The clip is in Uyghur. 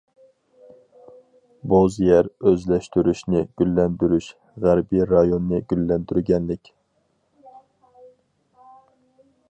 بوز يەر ئۆزلەشتۈرۈشنى گۈللەندۈرۈش، غەربى رايوننى گۈللەندۈرگەنلىك.